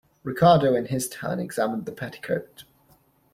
Ricardo in his turn examined the petticoat.